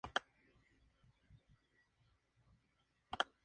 El ganador de esta edición fue el equipo venezolano Delfines de Miranda.